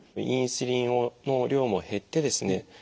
インスリンの量も減ってですね